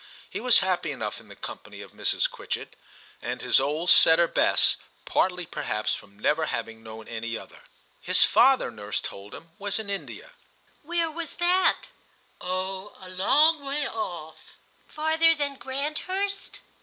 He was happy enough in the company of Mrs. Quitchett and his old setter Bess, partly perhaps from never having known any other. 4 TIM CHAP. * His father,' nurse told him, *was in India/ * Where was that ?' asked Tim. * Oh ! a long way ofif/ ' Farther than Granthurst